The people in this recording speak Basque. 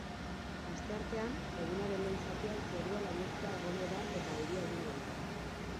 Asteartean, egunaren lehen zatian zerua lainotuta egongo da eta euria egingo du.